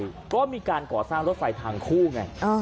เพราะว่ามีการก่อสร้างรถไฟทางคู่ไง